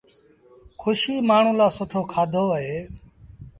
کُشي مآڻهوٚݩ لآ سُٺو کآڌو اهي۔